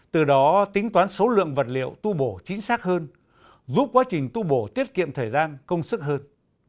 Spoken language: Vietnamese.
từ đó tính toán số lượng vật liệu tu bổ chính xác hơn giúp quá trình tu bổ tiết kiệm thời gian công sức hơn